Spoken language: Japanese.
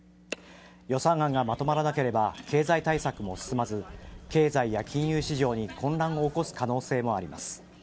予算案がまとまらなければ経済対策も進まず経済や金融市場に混乱を起こす可能性もあります。